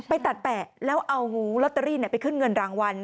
ไปตัดแปะแล้วเอาลอตเตอรี่ไปขึ้นเงินรางวัล